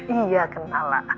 iya kenal lah